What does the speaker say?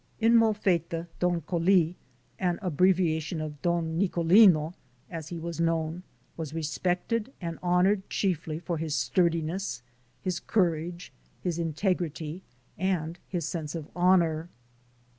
In Molfetta, Don Coli (an abbreviation of Don Nicolino) as he was known, was respected and honored chiefly for his sturdiness, his courage, his integrity and his sense of honor.